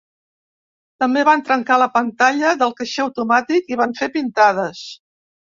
També van trencar la pantalla del caixer automàtic i van fer pintades.